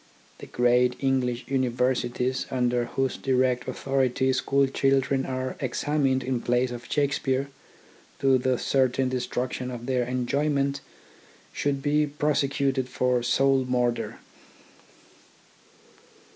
The great English Universities, under whose direct authority school children are ex amined in plays of Shakespeare, to the certain destruction of their enjoyment, should be pro secuted for soul murder.